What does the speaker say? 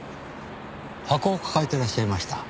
箱を抱えてらっしゃいました。